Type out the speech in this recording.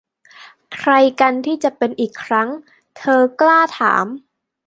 'ใครกันที่จะเป็นอีกครั้ง ?' เธอกล้าถาม